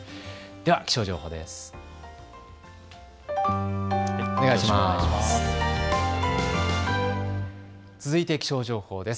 では気象情報です。